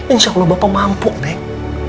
insya allah bapak mampu deh